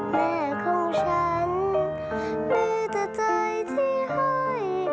แม่ของฉันมีแต่ใจที่ห้อย